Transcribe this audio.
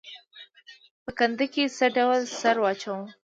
په کنده کې څه ډول سره واچوم؟